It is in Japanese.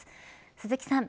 鈴木さん。